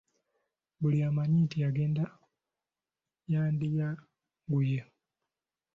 Buli amanyi nti agenda yandiyanguye.